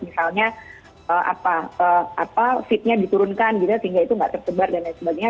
misalnya apa fitnya diturunkan gitu ya sehingga itu tidak tersebar dan lain sebagainya